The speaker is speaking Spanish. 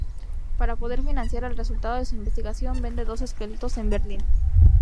Para poder financiar el resultado de su investigación, vende dos esqueletos en Berlín.